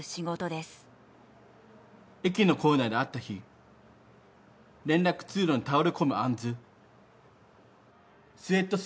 「駅の構内で会った日連絡通路に倒れ込む杏子」「スウェット姿。